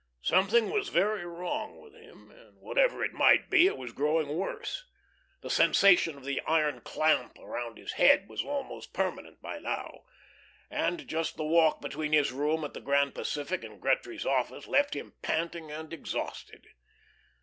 Something was very wrong with him, and whatever it might be, it was growing worse. The sensation of the iron clamp about his head was almost permanent by now, and just the walk between his room at the Grand Pacific and Gretry's office left him panting and exhausted.